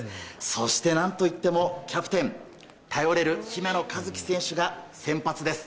そして何といってもキャプテンの頼れる姫野和樹選手が先発です。